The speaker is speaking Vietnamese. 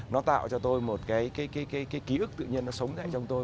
nó tạo cho tôi một cái ký ức tự nhiên nó sống trong tôi